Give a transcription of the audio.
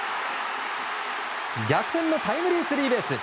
逆転のタイムリースリーベース！